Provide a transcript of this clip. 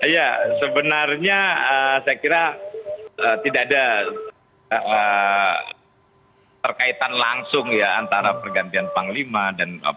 ya sebenarnya saya kira tidak ada terkaitan langsung ya antara pergantian panglima dan